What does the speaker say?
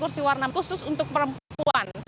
kursi warna khusus untuk perempuan